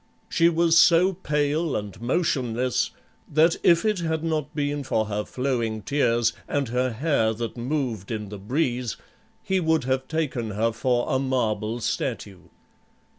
She was so pale and motionless that if it had not been for her flowing tears and her hair that moved in the breeze, he would have taken her for a marble statue.